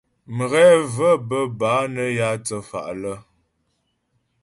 Mghɛ və̀ bə́ bâ nə́ yǎ thə́fa' lə́.